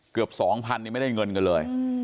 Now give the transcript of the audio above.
เกือบสองพันไม่ได้เงินกันเลย